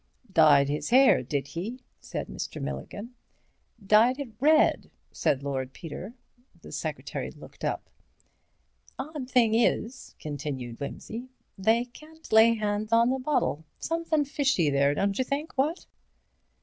"Dyed his hair, did he?" said Mr. Milligan. "Dyed it red," said Lord Peter. The secretary looked up. "Odd thing is," continued Wimsey, "they can't lay hands on the bottle. Somethin' fishy there, don't you think, what?"